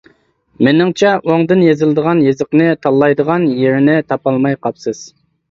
مېنىڭچە ئوڭدىن يېزىلىدىغان يېزىقنى تاللايدىغان يېرىنى تاپالماي قاپسىز.